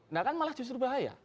nah kan malah justru bahaya